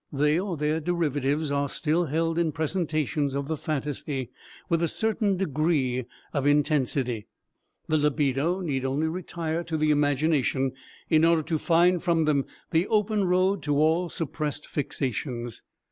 They, or their derivatives, are still held in presentations of the phantasy, with a certain degree of intensity. The libido need only retire to the imagination in order to find from them the open road to all suppressed fixations.